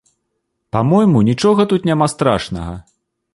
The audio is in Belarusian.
Па-мойму, нічога тут няма страшнага.